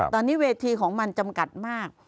ตอนนี้เวทีของมันจำกัดมาก